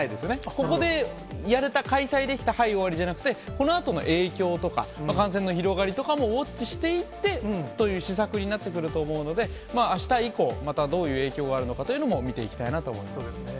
ここでやれた、開催できた、はい、終わりじゃなくて、このあとの影響とか、感染の広がりとかもウォッチしていってという施策になってくると思うので、あした以降、またどういう影響があるのかというのも、そうですね。